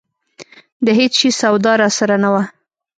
د هېڅ شي سودا راسره نه وه.